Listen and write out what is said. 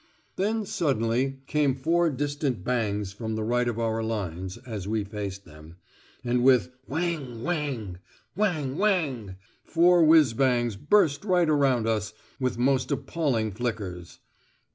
Then suddenly came four distant bangs from the right of our lines (as we faced them), and with "wang wang ... wang wang" four whizz bangs burst right around us, with most appalling flickers.